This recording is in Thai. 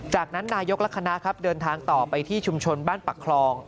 จากนั้นนายกและคณะครับเดินทางต่อไปที่ชุมชนบ้านปักคลอง